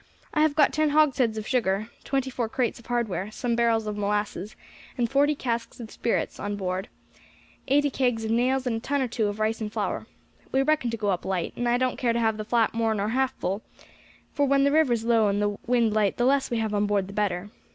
I have got ten hogsheads of sugar, twenty four crates of hardware, some barrels of molasses, and forty casks of spirits on board, eighty kegs of nails and a ton or two of rice and flour. We reckon to go up light, and I don't care to have the flat more nor half full, for when the river's low and the wind light the less we have on board the better.